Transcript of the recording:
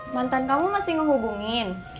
mantan kamu masih ngehubungin